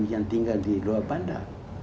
yang tinggal di luar bandar